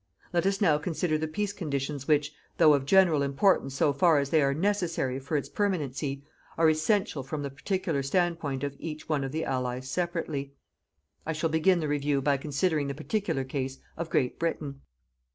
Let us now consider the peace conditions which, though of general importance so far as they are NECESSARY for its permanency, are essential from the particular stand point of each one of the Allies separately. I shall begin the review by considering the particular case of Great Britain.